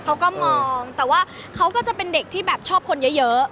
เขาก็มองแต่ว่าเขาก็จะเป็นเด็กที่แบบชอบคนเยอะ